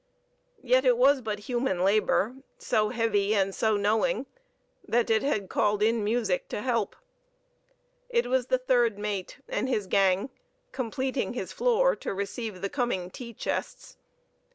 Yet it was but human labor, so heavy and so knowing, that it had called in music to help. It was the third mate and his gang completing his floor to receive the coming tea chests.